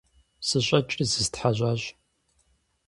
СыщӀэкӀри зыстхьэщӀащ.